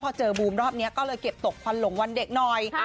พอเจอบูมรอบนี้ก็เลยเก็บตกควันหลงวันเด็กหน่อย